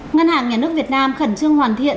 ngân hàng nhà nước việt nam khẩn trương hoàn thiện